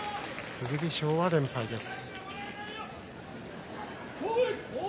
剣翔は連敗です。